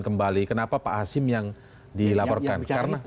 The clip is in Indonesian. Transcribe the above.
kenapa pak hasim yang dilaporkan